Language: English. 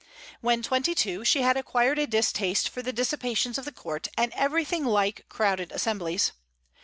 When twenty two, she had acquired a distaste for the dissipations of the court and everything like crowded assemblies.